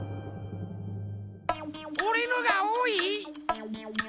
おれのがおおい？